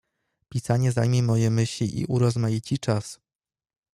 "Pisanie zajmie moje myśli i urozmaici czas."